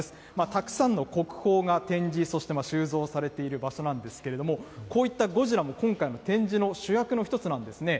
たくさんの国宝が展示、そして収蔵されている場所なんですけれども、こういったゴジラも今回の展示の主役の一つなんですね。